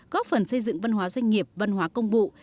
góp phần xây dựng văn hóa doanh nghiệp văn hóa công vụ